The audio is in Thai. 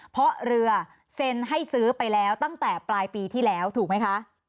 เพราะเรือเซ็นให้ซื้อไปแล้วตั้งแต่ปลายปีที่แล้วถูกไหมคะ